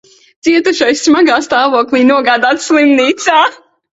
Cietušais smagā stāvoklī nogādāts slimnīcā.